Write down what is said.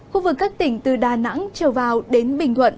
khu vực các tỉnh từ đà nẵng trở vào đến bình thuận